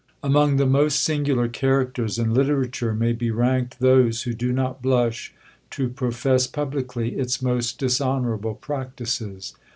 Among the most singular characters in literature may be ranked those who do not blush to profess publicly its most dishonourable practices.